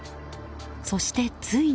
そして、ついに。